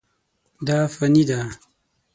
دا فني دي.